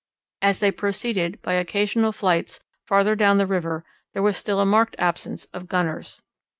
As they proceeded, by occasional flights, farther down the river there was still a marked absence of gunners.